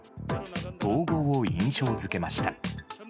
統合を印象付けました。